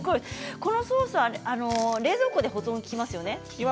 このソースは冷蔵庫で保存が利きますよね。